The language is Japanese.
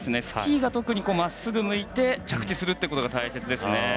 スキーが真っすぐ向いて着地することが大切です。